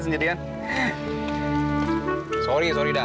suka sama dia